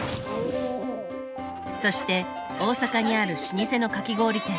そして大阪にある老舗のかき氷店。